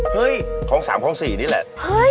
เฮ่ยของ๓ของ๔นี่แหละ